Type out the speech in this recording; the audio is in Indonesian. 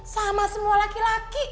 sama semua laki laki